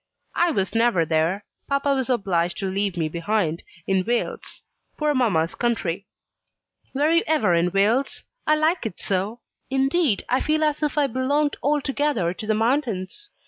"I was never there. Papa was obliged to leave me behind, in Wales poor mamma's country. Were you ever in Wales? I like it so! Indeed, I feel as if I belonged altogether to the mountains."